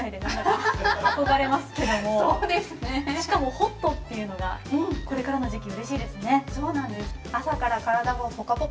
ホットっていうのがこれからの時期うれしいですね。